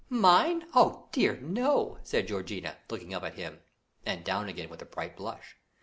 "Mine? Oh, dear, no," said Georgiana, looking up at him, and down again with a bright blush.